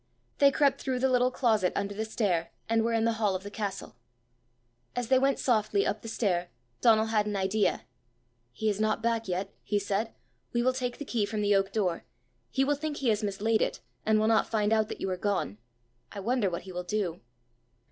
They crept through the little closet under the stair, and were in the hall of the castle. As they went softly up the stair, Donal had an idea. "He is not back yet!" he said: "we will take the key from the oak door; he will think he has mislaid it, and will not find out that you are gone. I wonder what he will do!"